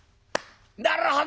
「なるほど！